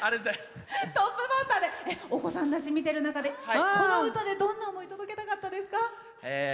トップバッターお子さんたち見てる中でこの歌で、どんな思いを届けたかったですか？